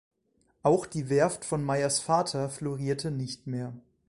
Auch die Werft von Meyers Vater florierte nicht mehr.